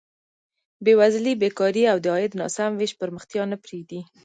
بېوزلي، بېکاري او د عاید ناسم ویش پرمختیا نه پرېږدي.